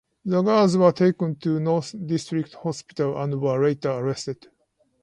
The girls were taken to North District Hospital and were later arrested.